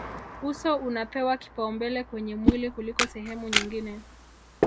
uso unapewa kipaumbele kwenye mwili kuliko sehemu nyingine